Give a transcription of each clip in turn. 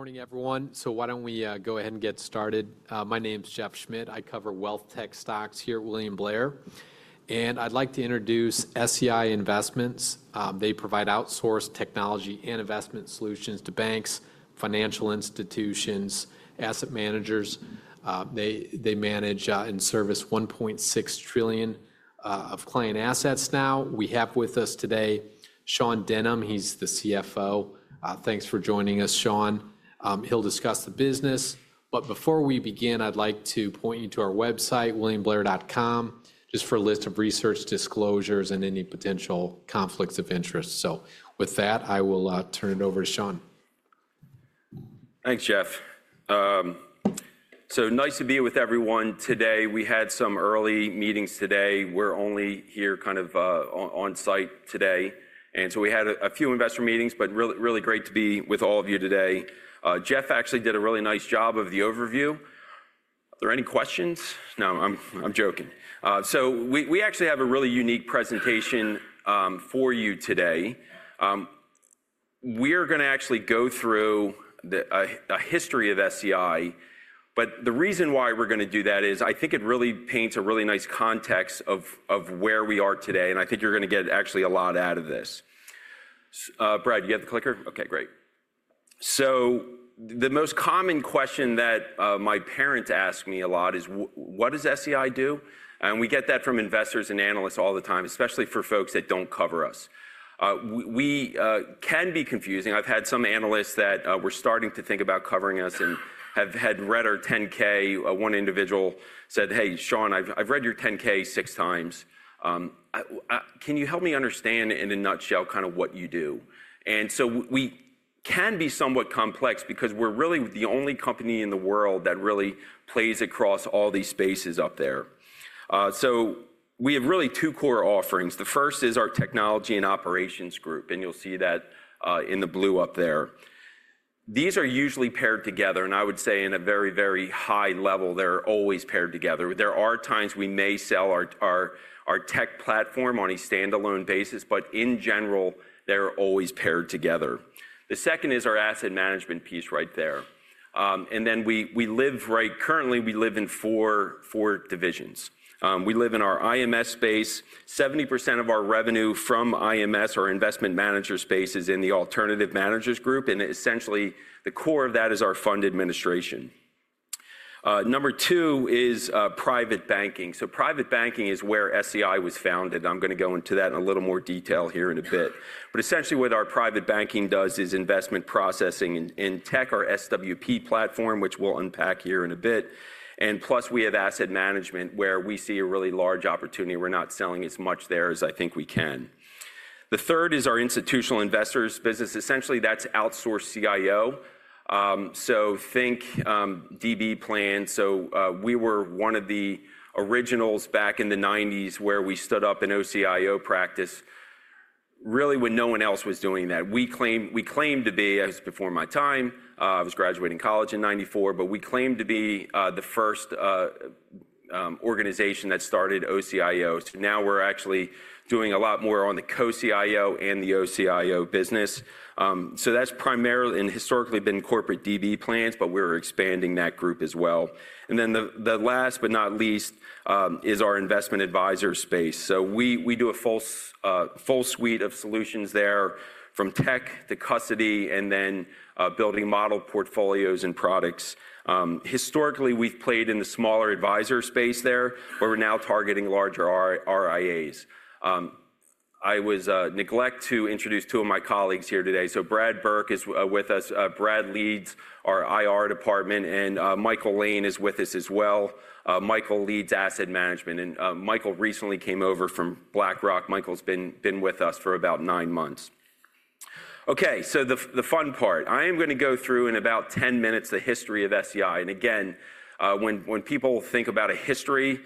Good morning, everyone. Why don't we go ahead and get started? My name's Jeff Schmitt. I cover wealth tech stocks here at William Blair, and I'd like to introduce SEI Investments. They provide outsourced technology and investment solutions to banks, financial institutions, and asset managers. They manage and service $1.6 trillion of client assets now. We have with us today Sean Denham. He's the CFO. Thanks for joining us, Sean. He'll discuss the business. Before we begin, I'd like to point you to our website, williamblair.com, just for a list of research disclosures and any potential conflicts of interest. With that, I will turn it over to Sean. Thanks, Jeff. So nice to be with everyone today. We had some early meetings today. We're only here kind of on site today. And so we had a few investor meetings, but really great to be with all of you today. Jeff actually did a really nice job of the overview. Are there any questions? No, I'm joking. So we actually have a really unique presentation for you today. We're going to actually go through a history of SEI. But the reason why we're going to do that is I think it really paints a really nice context of where we are today. And I think you're going to get actually a lot out of this. Brad, you got the clicker? OK, great. So the most common question that my parents ask me a lot is, what does SEI do? We get that from investors and analysts all the time, especially for folks that do not cover us. We can be confusing. I have had some analysts that were starting to think about covering us and had read our 10-K. One individual said, hey, Sean, I have read your 10-K six times. Can you help me understand in a nutshell kind of what you do? We can be somewhat complex because we are really the only company in the world that really plays across all these spaces up there. We have really two core offerings. The first is our technology and operations group. You will see that in the blue up there. These are usually paired together. I would say at a very, very high level, they are always paired together. There are times we may sell our tech platform on a standalone basis. In general, they're always paired together. The second is our asset management piece right there. Right now, we live in four divisions. We live in our IMS space. 70% of our revenue from IMS, our Investment Management Services, is in the alternative managers group. Essentially, the core of that is our fund administration. Number two Private Banking. Private Banking is where SEI was founded. I'm going to go into that in a little more detail here in a bit. Essentially, what our Private Banking does is investment processing in tech, our SWP platform, which we'll unpack here in a bit. Plus, we have Asset Management where we see a really large opportunity. We're not selling as much there as I think we can. The third is our Institutional Investors business. Essentially, that's Outsourced CIO. Think DB plan. We were one of the originals back in the 1990s where we stood up an OCIO practice, really when no one else was doing that. We claimed to be—I was before my time. I was graduating college in 1994. We claimed to be the first organization that started OCIO. Now we're actually doing a lot more on the Co-CIO and the OCIO business. That has primarily and historically been corporate DB plans, but we're expanding that group as well. The last but not least is our investment advisor space. We do a full suite of solutions there, from tech to custody and then building model portfolios and products. Historically, we've played in the smaller advisor space there, but we're now targeting larger RIAs. I was neglect to introduce two of my colleagues here today. Brad Burke is with us. Brad leads our IR department. Michael Lane is with us as well. Michael leads asset management. Michael recently came over from BlackRock. Michael's been with us for about nine months. OK, the fun part. I am going to go through in about 10 minutes the history of SEI. Again, when people think about a history,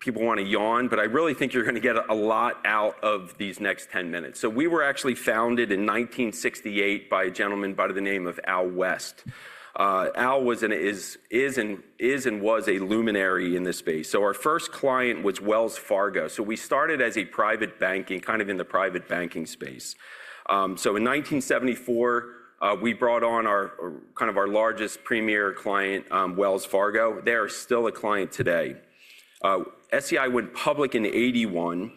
people want to yawn. I really think you're going to get a lot out of these next 10 minutes. We were actually founded in 1968 by a gentleman by the name of Al West. Al was and is a luminary in this space. Our first client was Wells Fargo. We started as a private banking, kind of in the private banking space. In 1974, we brought on kind of our largest premier client, Wells Fargo. They are still a client today. SEI went public in 1981.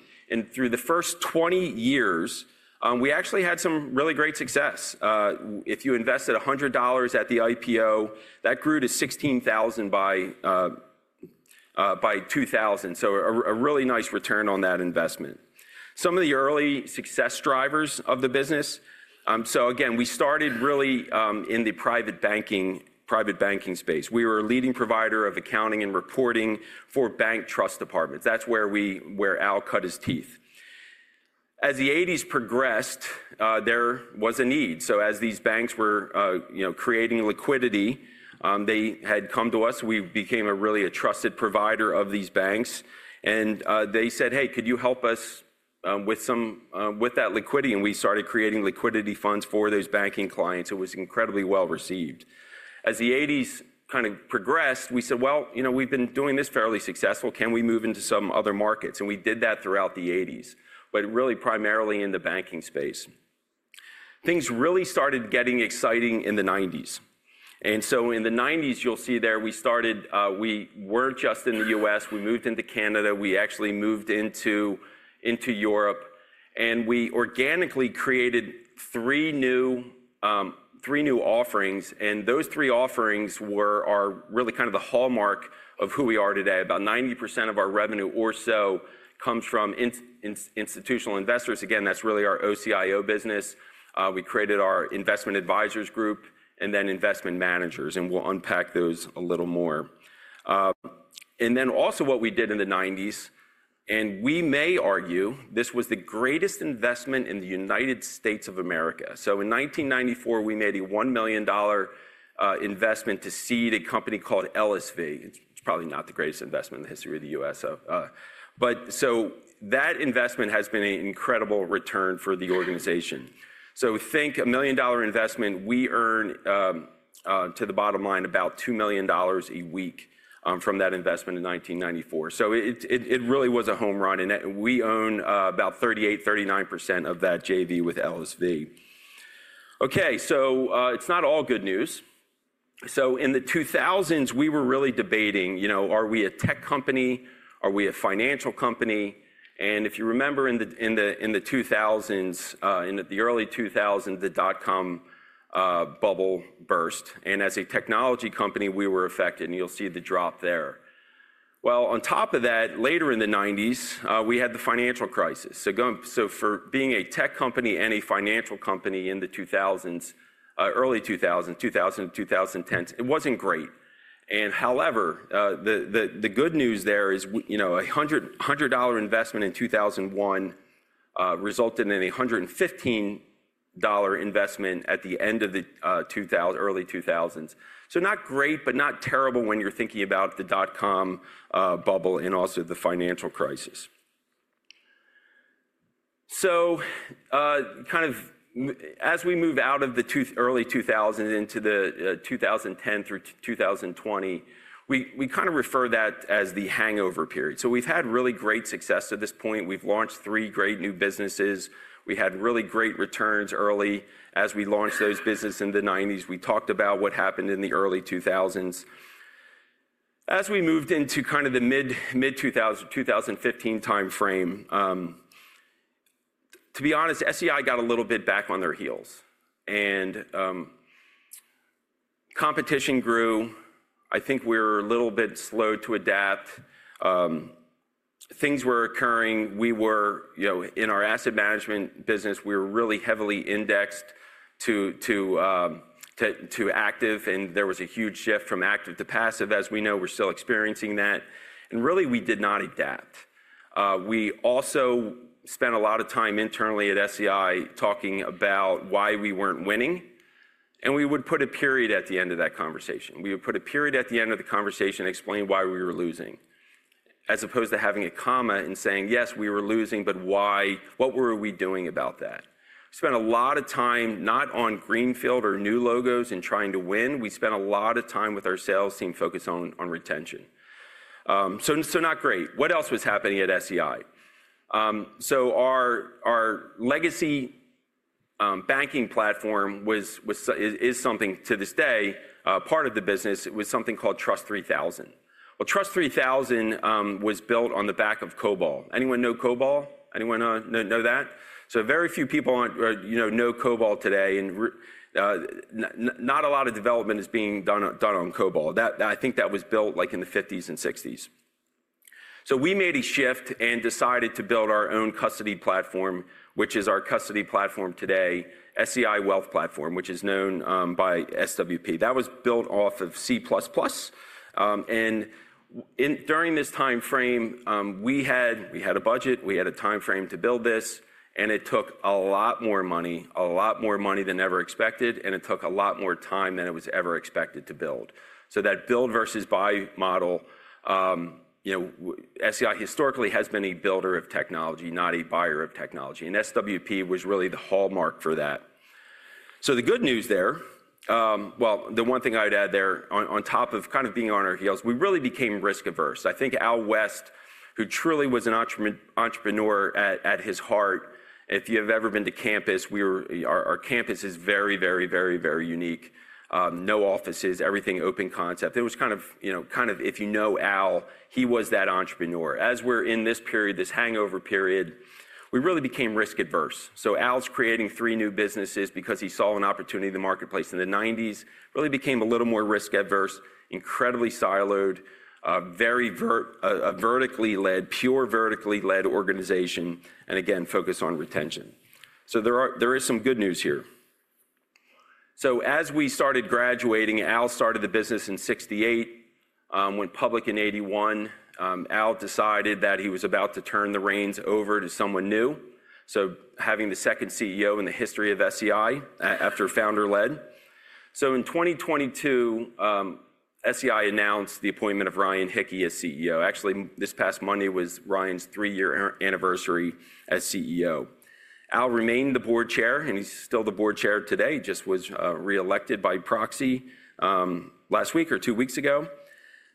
Through the first 20 years, we actually had some really great success. If you invested $100 at the IPO, that grew to $16,000 by 2000. A really nice return on that investment. Some of the early success drivers of the business. Again, we started really in the Private Banking space. We were a leading provider of accounting and reporting for bank trust departments. That is where Al cut his teeth. As the 1980s progressed, there was a need. As these banks were creating liquidity, they had come to us. We became really a trusted provider of these banks. They said, hey, could you help us with that liquidity? We started creating liquidity funds for those banking clients. It was incredibly well received. As the 1980s kind of progressed, we said, you know we have been doing this fairly successful. Can we move into some other markets? We did that throughout the '80s, but really primarily in the banking space. Things really started getting exciting in the 1990s. In the 1990s, you'll see there we started we weren't just in the U.S. We moved into Canada. We actually moved into Europe. We organically created three new offerings. Those three offerings were really kind of the hallmark of who we are today. About 90% of our revenue or so comes from institutional investors. Again, that's really our OCIO business. We created our investment advisors group and then investment managers. We'll unpack those a little more. Also, what we did in the 1990s, and we may argue this was the greatest investment in the United States of America. In 1994, we made a $1 million investment to seed a company called LSV. It's probably not the greatest investment in the history of the U.S. But that investment has been an incredible return for the organization. Think a $1 million investment. We earned, to the bottom line, about $2 million a week from that investment in 1994. It really was a home run. We own about 38%-39% of that JV with LSV. OK, it's not all good news. In the 2000s, we were really debating, are we a tech company? Are we a financial company? If you remember in the 2000s, in the early 2000s, the dot-com bubble burst. As a technology company, we were affected. You'll see the drop there. On top of that, later in the 1990s, we had the financial crisis. For being a tech company and a financial company in the 2000s, early 2000s, 2010s, it was not great. However, the good news there is a $100 investment in 2001 resulted in a $115 investment at the end of the early 2000s. Not great, but not terrible when you are thinking about the dot-com bubble and also the financial crisis. Kind of as we move out of the early 2000s into the 2010s through 2020, we kind of refer to that as the hangover period. We have had really great success. At this point, we have launched three great new businesses. We had really great returns early. As we launched those businesses in the 1990s, we talked about what happened in the early 2000s. As we moved into kind of the mid-2015 time frame, to be honest, SEI got a little bit back on their heels. Competition grew. I think we were a little bit slow to adapt. Things were occurring. We were in our asset management business. We were really heavily indexed to active. There was a huge shift from active to passive. As we know, we're still experiencing that. We did not adapt. We also spent a lot of time internally at SEI talking about why we weren't winning. We would put a period at the end of that conversation. We would put a period at the end of the conversation and explain why we were losing, as opposed to having a comma and saying, yes, we were losing, but why? What were we doing about that? We spent a lot of time not on greenfield or new logos and trying to win. We spent a lot of time with our sales team focused on retention. Not great. What else was happening at SEI? Our legacy banking platform is something to this day part of the business. It was something called Trust 3000. Trust 3000 was built on the back of COBOL. Anyone know COBOL? Anyone know that? Very few people know COBOL today. Not a lot of development is being done on COBOL. I think that was built like in the 1950s and 1960s. We made a shift and decided to build our own custody platform, which is our custody platform today, SEI Wealth Platform, which is known by SWP. That was built off of C++. During this time frame, we had a budget. We had a time frame to build this. It took a lot more money, a lot more money than ever expected. It took a lot more time than it was ever expected to build. That build versus buy model, SEI historically has been a builder of technology, not a buyer of technology. SWP was really the hallmark for that. The good news there, the one thing I would add there, on top of kind of being on our heels, we really became risk averse. I think Al West, who truly was an entrepreneur at his heart, if you have ever been to campus, our campus is very, very, very, very unique. No offices, everything open concept. It was kind of, kind of, if you know Al, he was that entrepreneur. As we're in this period, this hangover period, we really became risk averse. Al's creating three new businesses because he saw an opportunity in the marketplace in the 1990s, really became a little more risk averse, incredibly siloed, very vertically led, pure vertically led organization, and again, focused on retention. There is some good news here. As we started graduating, Al started the business in 1968, went public in 1981. Al decided that he was about to turn the reins over to someone new, so having the second CEO in the history of SEI after founder-led. In 2022, SEI announced the appointment of Ryan Hickey as CEO. Actually, this past Monday was Ryan's three-year anniversary as CEO. Al remained the board chair. He's still the board chair today, just was re-elected by proxy last week or two weeks ago.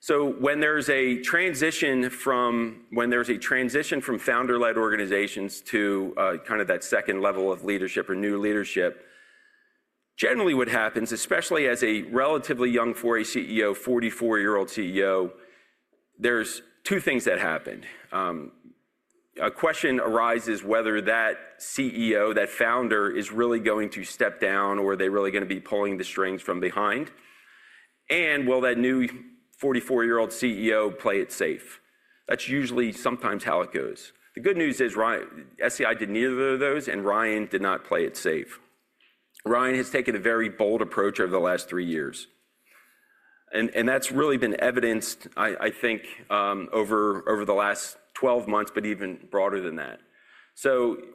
When there's a transition from founder-led organizations to kind of that second level of leadership or new leadership, generally what happens, especially as a relatively young 40-year-old CEO, there are two things that happen. A question arises whether that CEO, that founder, is really going to step down, or are they really going to be pulling the strings from behind? Will that new 44-year-old CEO play it safe? That's usually sometimes how it goes. The good news is SEI did neither of those, and Ryan did not play it safe. Ryan has taken a very bold approach over the last three years. That's really been evidenced, I think, over the last 12 months, but even broader than that.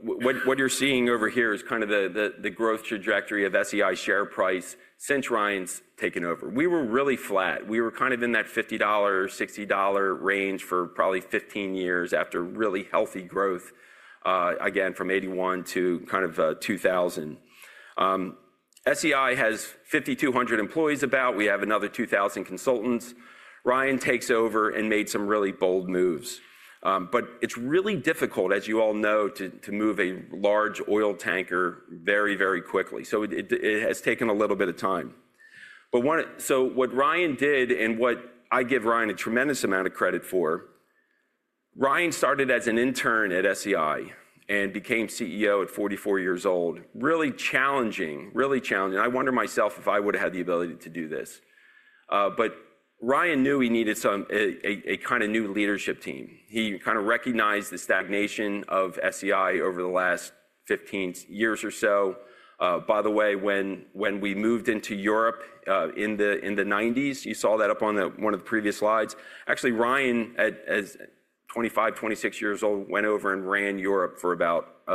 What you're seeing over here is kind of the growth trajectory of SEI's share price since Ryan's taken over. We were really flat. We were kind of in that $50-$60 range for probably 15 years after really healthy growth, again, from 1981 to kind of 2000. SEI has 5,200 employees about. We have another 2,000 consultants. Ryan takes over and made some really bold moves. It is really difficult, as you all know, to move a large oil tanker very, very quickly. It has taken a little bit of time. What Ryan did, and what I give Ryan a tremendous amount of credit for, Ryan started as an intern at SEI and became CEO at 44 years old, really challenging, really challenging. I wonder myself if I would have had the ability to do this. Ryan knew he needed some kind of new leadership team. He kind of recognized the stagnation of SEI over the last 15 years or so. By the way, when we moved into Europe in the 1990s, you saw that up on one of the previous slides. Actually, Ryan, at 25, 26 years old, went over and ran Europe for about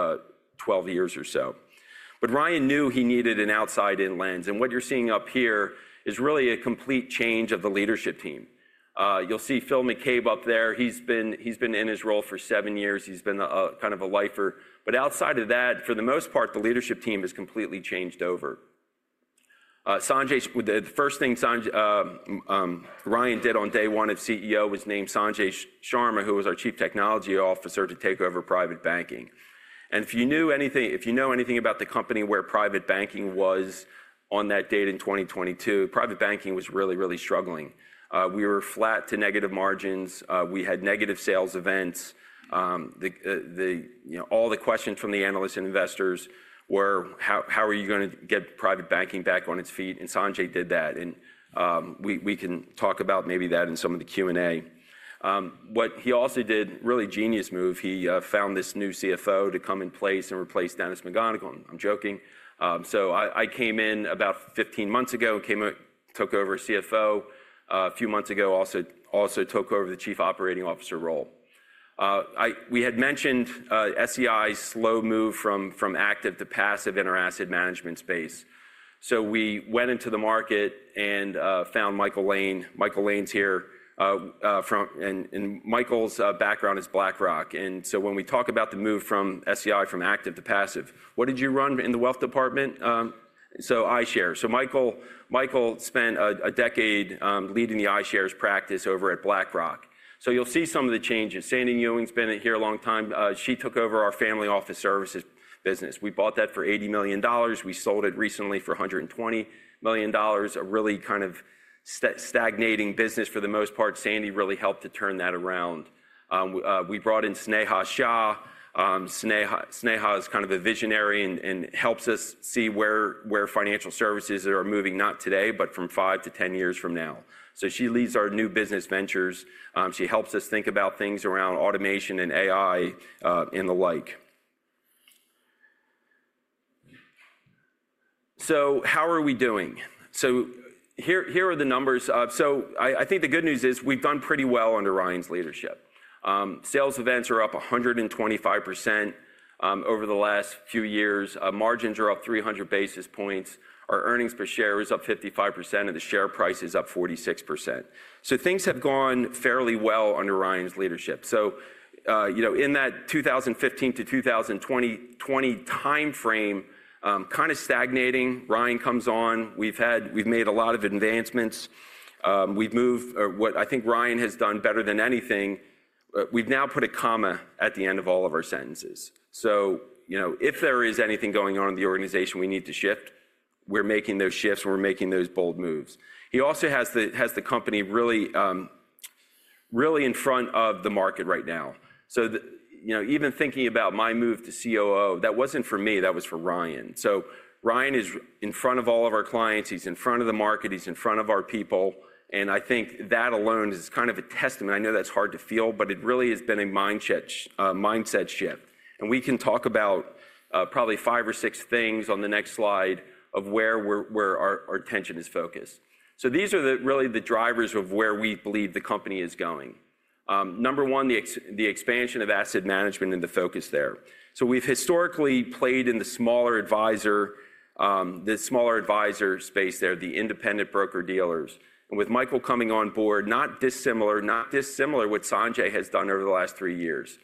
12 years or so. Ryan knew he needed an outside-in lens. What you're seeing up here is really a complete change of the leadership team. You'll see Phil McCabe up there. He's been in his role for seven years. He's been kind of a lifer. Outside of that, for the most part, the leadership team has completely changed over. The first thing Ryan did on day one of CEO was name Sanjay Sharma, who was our Chief Technology Officer, to take over Private Banking. If you know anything about the company where Private Banking was on that date in 2022, Private Banking was really, really struggling. We were flat to negative margins. We had negative sales events. All the questions from the analysts and investors were, how are you going to get Private Banking back on its feet? Sanjay did that. We can talk about maybe that in some of the Q&A. What he also did, really genius move, he found this new CFO to come in place and replace Dennis McGonigle. I'm joking. I came in about 15 months ago, took over CFO a few months ago, also took over the Chief Operating Officer role. We had mentioned SEI's slow move from active to passive in our asset management space. We went into the market and found Michael Lane. Michael Lane's here. Michael's background is BlackRock. When we talk about the move from SEI from active to passive, what did you run in the wealth department? iShares. Michael spent a decade leading the iShares practice over at BlackRock. You'll see some of the changes. Sandy Nguyen's been here a long time. She took over our family office services business. We bought that for $80 million. We sold it recently for $120 million, a really kind of stagnating business for the most part. Sandy really helped to turn that around. We brought in Sneha Shah. Sneha is kind of a visionary and helps us see where financial services are moving, not today, but from 5-10 years from now. She leads our new business ventures. She helps us think about things around automation and AI and the like. How are we doing? Here are the numbers. I think the good news is we've done pretty well under Ryan's leadership. Sales events are up 125% over the last few years. Margins are up 300 basis points. Our earnings per share is up 55%, and the share price is up 46%. Things have gone fairly well under Ryan's leadership. In that 2015 to 2020 time frame, kind of stagnating, Ryan comes on. We've made a lot of advancements. We've moved what I think Ryan has done better than anything. We've now put a comma at the end of all of our sentences. If there is anything going on in the organization we need to shift, we're making those shifts, and we're making those bold moves. He also has the company really in front of the market right now. Even thinking about my move to COO, that wasn't for me. That was for Ryan. Ryan is in front of all of our clients. He's in front of the market. He's in front of our people. I think that alone is kind of a testament. I know that's hard to feel, but it really has been a mindset shift. We can talk about probably five or six things on the next slide of where our attention is focused. These are really the drivers of where we believe the company is going. Number one, the expansion of asset management and the focus there. We've historically played in the smaller advisor space there, the independent broker-dealers. With Michael coming on board, not dissimilar to what Sanjay has done over the last three years,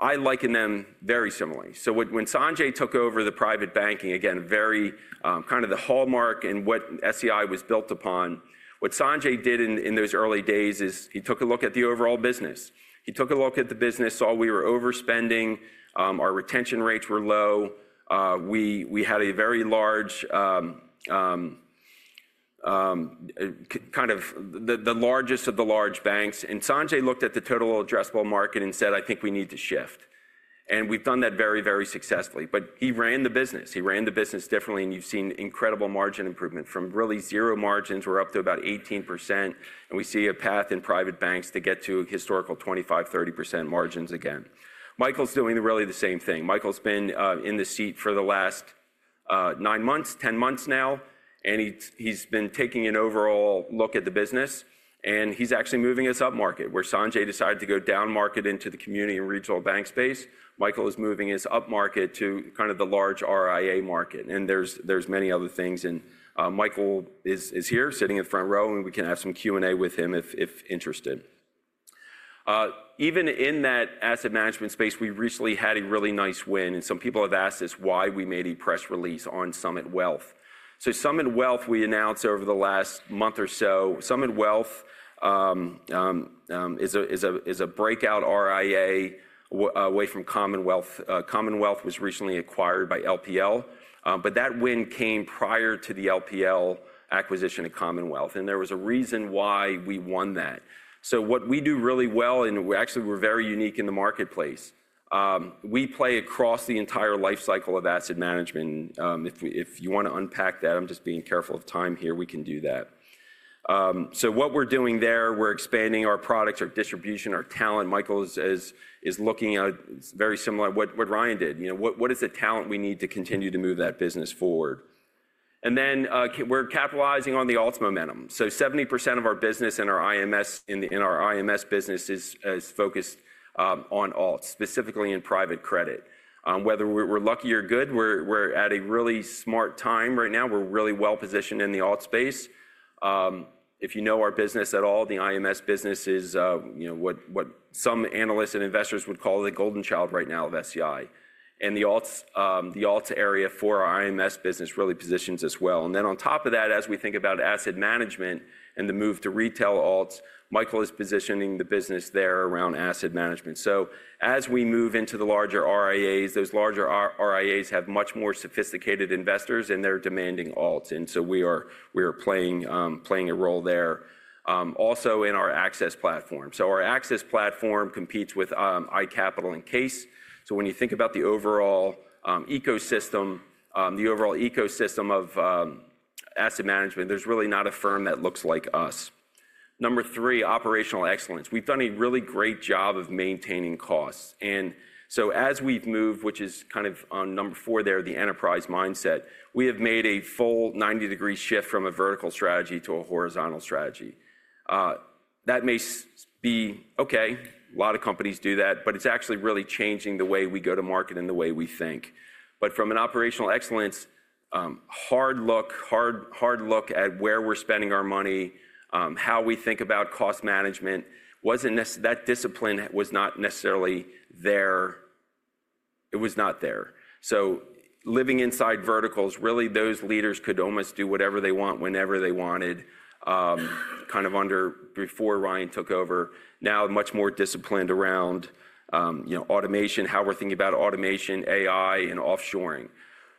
I liken them very similarly. When Sanjay took over the Private Banking, again, kind of the hallmark in what SEI was built upon, what Sanjay did in those early days is he took a look at the overall business. He took a look at the business. We were overspending. Our retention rates were low. We had a very large, kind of the largest of the large banks. Sanjay looked at the total addressable market and said, I think we need to shift. We have done that very, very successfully. He ran the business. He ran the business differently. You have seen incredible margin improvement from really zero margins. We are up to about 18%. We see a path in private banks to get to historical 25-30% margins again. Michael is doing really the same thing. Michael has been in the seat for the last nine months, 10 months now. He has been taking an overall look at the business. He is actually moving us up market. Where Sanjay decided to go down market into the community and regional bank space, Michael is moving us up market to kind of the large RIA market. There are many other things. Michael is here sitting in the front row. We can have some Q&A with him if interested. Even in that asset management space, we recently had a really nice win. Some people have asked us why we made a press release on Summit Wealth. Summit Wealth, we announced over the last month or so, is a breakout RIA away from Commonwealth. Commonwealth was recently acquired by LPL. That win came prior to the LPL acquisition of Commonwealth. There was a reason why we won that. What we do really well, and actually we are very unique in the marketplace, we play across the entire life cycle of asset management. If you want to unpack that, I am just being careful of time here. We can do that. What we are doing there, we are expanding our products, our distribution, our talent. Michael is looking at very similar to what Ryan did. What is the talent we need to continue to move that business forward? We are capitalizing on the alts momentum. 70% of our business in our IMS business is focused on alts, specifically in private credit. Whether we're lucky or good, we're at a really smart time right now. We're really well positioned in the alts space. If you know our business at all, the IMS business is what some analysts and investors would call the golden child right now of SEI. The alts area for our IMS business really positions us well. As we think about asset management and the move to retail alts, Michael is positioning the business there around asset management. As we move into the larger RIAs, those larger RIAs have much more sophisticated investors, and they're demanding alts. We are playing a role there. Also in our access platform. Our access platform competes with iCapital and CAIS. When you think about the overall ecosystem, the overall ecosystem of asset management, there's really not a firm that looks like us. Number three, operational excellence. We've done a really great job of maintaining costs. As we've moved, which is kind of on number four there, the enterprise mindset, we have made a full 90-degree shift from a vertical strategy to a horizontal strategy. That may be OK. A lot of companies do that. It's actually really changing the way we go to market and the way we think. From an operational excellence, hard look at where we're spending our money, how we think about cost management, that discipline was not necessarily there. It was not there. Living inside verticals, really those leaders could almost do whatever they want whenever they wanted, kind of before Ryan took over. Now much more disciplined around automation, how we're thinking about automation, AI, and offshoring.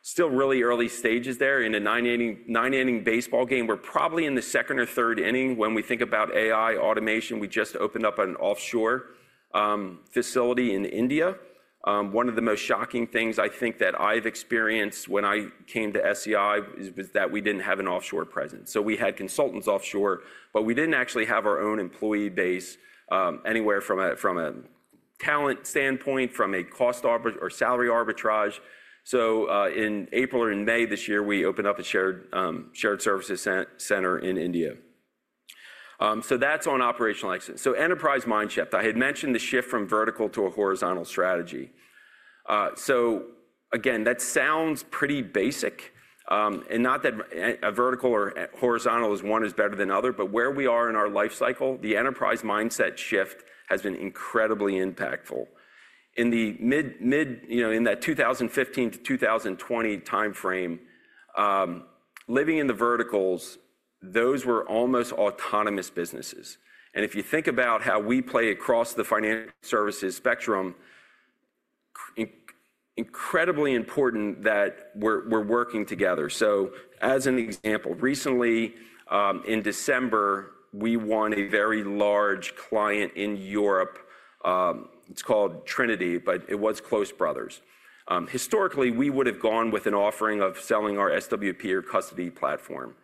Still really early stages there. In a nine-inning baseball game, we're probably in the second or third inning when we think about AI automation. We just opened up an offshore facility in India. One of the most shocking things I think that I've experienced when I came to SEI was that we didn't have an offshore presence. We had consultants offshore, but we didn't actually have our own employee base anywhere from a talent standpoint, from a cost or salary arbitrage. In April or in May this year, we opened up a shared services center in India. That is on operational excellence. Enterprise mindshift. I had mentioned the shift from vertical to a horizontal strategy. Again, that sounds pretty basic. Not that a vertical or horizontal is one is better than the other. Where we are in our life cycle, the enterprise mindset shift has been incredibly impactful. In that 2015 to 2020 time frame, living in the verticals, those were almost autonomous businesses. If you think about how we play across the financial services spectrum, incredibly important that we are working together. As an example, recently in December, we won a very large client in Europe. It is called Trinity, but it was Close Brothers. Historically, we would have gone with an offering of selling our SWP or custody platform.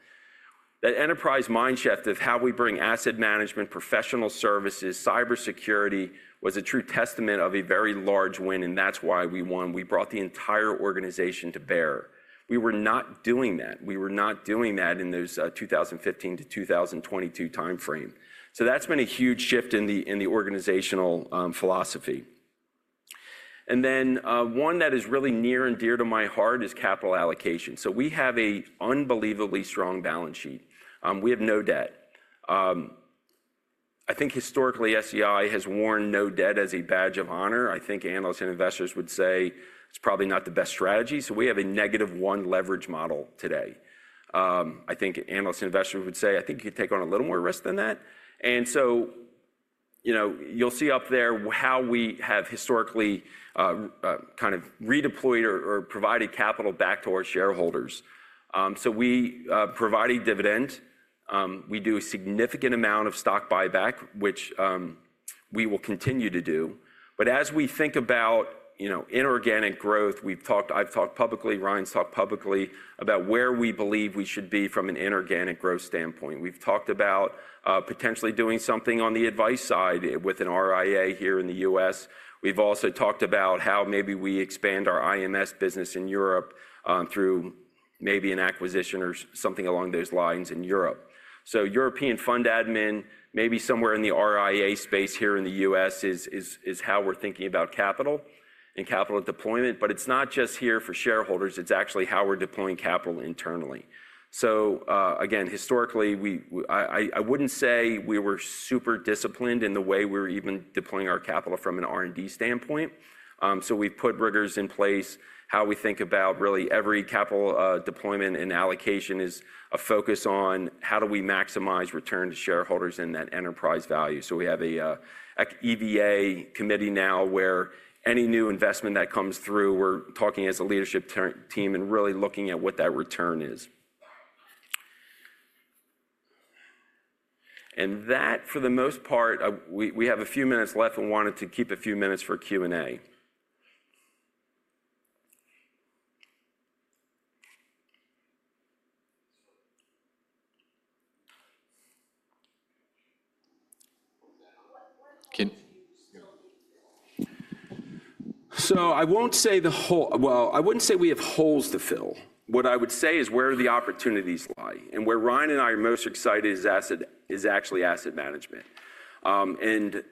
That enterprise mindshift of how we bring asset management, professional services, cybersecurity was a true testament of a very large win. That is why we won. We brought the entire organization to bear. We were not doing that. We were not doing that in those 2015 to 2022 time frame. That has been a huge shift in the organizational philosophy. One that is really near and dear to my heart is capital allocation. We have an unbelievably strong balance sheet. We have no debt. I think historically, SEI has worn no debt as a badge of honor. I think analysts and investors would say it is probably not the best strategy. We have a negative one leverage model today. I think analysts and investors would say, I think you can take on a little more risk than that. You'll see up there how we have historically kind of redeployed or provided capital back to our shareholders. We provide a dividend. We do a significant amount of stock buyback, which we will continue to do. As we think about inorganic growth, I've talked publicly, Ryan's talked publicly about where we believe we should be from an inorganic growth standpoint. We've talked about potentially doing something on the advice side with an RIA here in the US. We've also talked about how maybe we expand our IMS business in Europe through maybe an acquisition or something along those lines in Europe. European fund admin, maybe somewhere in the RIA space here in the US is how we're thinking about capital and capital deployment. It's not just here for shareholders. It's actually how we're deploying capital internally. Again, historically, I would not say we were super disciplined in the way we were even deploying our capital from an R&D standpoint. We have put rigors in place, how we think about really every capital deployment and allocation is a focus on how do we maximize return to shareholders in that enterprise value. We have an EVA committee now where any new investment that comes through, we are talking as a leadership team and really looking at what that return is. For the most part, we have a few minutes left and wanted to keep a few minutes for Q&A. I will not say the whole, I would not say we have holes to fill. What I would say is where the opportunities lie. Where Ryan and I are most excited is actually asset management. Having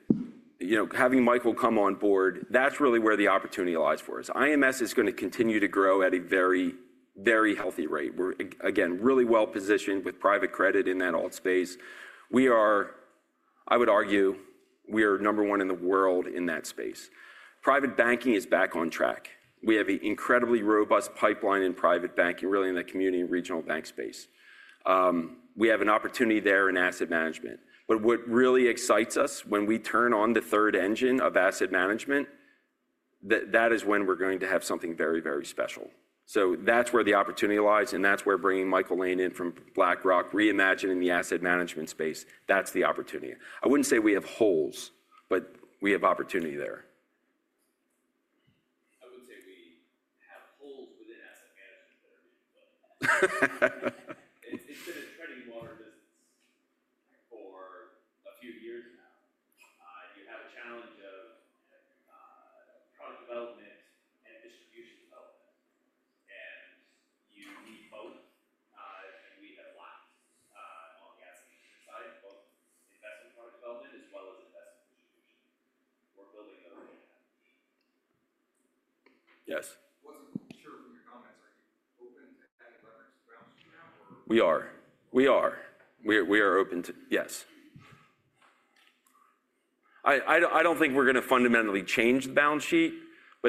Michael come on board, that's really where the opportunity lies for us. IMS is going to continue to grow at a very, very healthy rate. We're, again, really well positioned with private credit in that alts space. I would argue we are number one in the world in that space. Private Banking is back on track. We have an incredibly robust pipeline in Private Banking, really in the community and regional bank space. We have an opportunity there in asset management. What really excites us when we turn on the third engine of asset management, that is when we're going to have something very, very special. That is where the opportunity lies. That is where bringing Michael Lane in from BlackRock, reimagining the asset management space, that's the opportunity. I wouldn't say we have holes, but we have opportunity there. I wouldn't say we have holes within asset management that are being filled. It's been a treading water business for a few years now. You have a challenge of product development and distribution development. You need both. We have a lot on the asset management side, both investment product development as well as investment distribution. We're building those in that. Yes? What's the culture from your comments? Are you open to adding leverage to the balance sheet now? We are. We are. We are open to, yes. I don't think we're going to fundamentally change the balance sheet.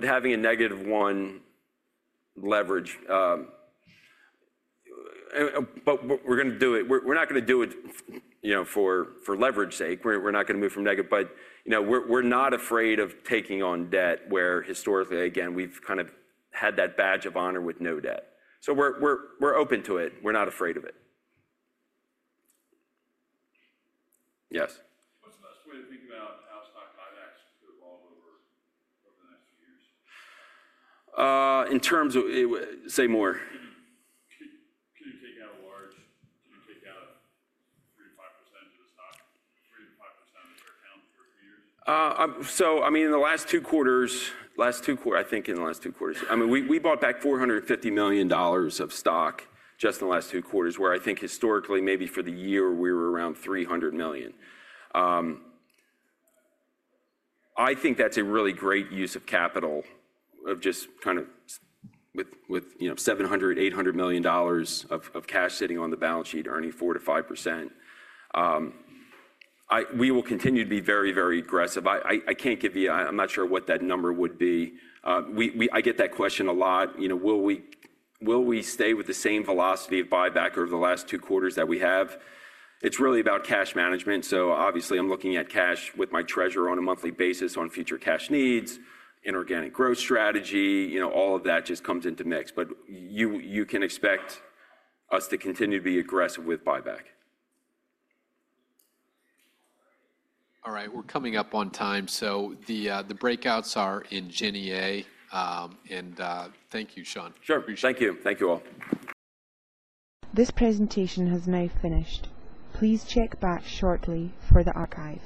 Having a negative one leverage, we're going to do it. We're not going to do it for leverage sake. We're not going to move from negative. We're not afraid of taking on debt where historically, again, we've kind of had that badge of honor with no debt. We're open to it. We're not afraid of it. Yes? What's the best way to think about how stock buybacks could evolve over the next few years? In terms of, say, more. Could you take out a large—could you take out 3%-5% of the stock, 3%-5% of their account for a few years? I mean, in the last two quarters, I think we bought back $450 million of stock just in the last two quarters, where I think historically, maybe for the year, we were around $300 million. I think that's a really great use of capital, just kind of with $700 million-$800 million of cash sitting on the balance sheet earning 4%-5%. We will continue to be very, very aggressive. I can't give you, I'm not sure what that number would be. I get that question a lot. Will we stay with the same velocity of buyback over the last two quarters that we have? It's really about cash management. Obviously, I'm looking at cash with my treasurer on a monthly basis on future cash needs, inorganic growth strategy. All of that just comes into mix. You can expect us to continue to be aggressive with buyback. All right. We're coming up on time. The breakouts are in Gen EA. Thank you, Sean. Sure. Thank you. Thank you all. This presentation has now finished. Please check back shortly for the archive.